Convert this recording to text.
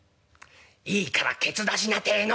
いいからケツ出しなてえの！」。